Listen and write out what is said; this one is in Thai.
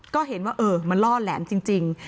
ก็เห็นว่าเออมันล่อแหลมจริง